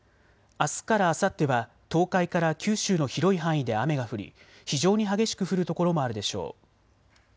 あすからあさっては東海から九州の広い範囲で雨が降り非常に激しく降る所もあるでしょう。